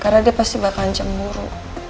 karena dia pasti bakalan cemburu